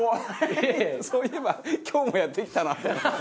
そういえば今日もやってきたなって。